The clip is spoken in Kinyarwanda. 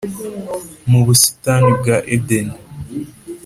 mu busitani bwa edeni.